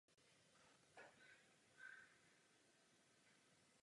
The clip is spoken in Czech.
Dodnes prý ukrytý poklad hlídá a dohlíží na správné chování městských úředníků.